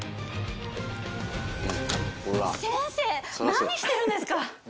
先生何してるんですか！